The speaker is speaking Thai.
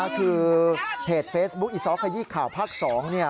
คือเพจเฟซบุ๊กอีซอสขยิกข่าวภาค๒นี่